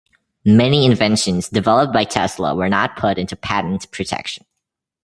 Many inventions developed by Tesla were not put into patent protection.